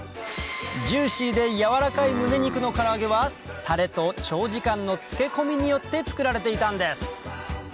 ジューシーでやわらかいむね肉のから揚げはタレと長時間の漬け込みによって作られていたんです